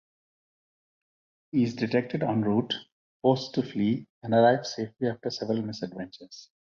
He is detected en route, forced to flee, and arrives safely after several misadventures.